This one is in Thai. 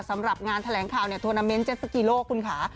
สำหรับงานแถลงข่าวเนี่ยทวนาเมนต์เจ็ดสกีโลกคุณค่ะ